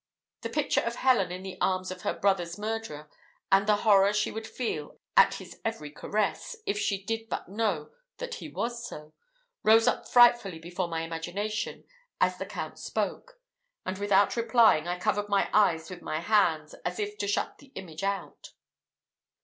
The picture of Helen in the arms of her brother's murderer, and the horror she would feel at his every caress, if she did but know that he was so, rose up frightfully before my imagination, as the Count spoke; and, without replying, I covered my eyes with my hands, as if to shut the image out.